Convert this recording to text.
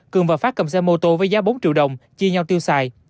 cường và phát cầm xe mô tô với giá bốn triệu đồng chia nhau tiêu xài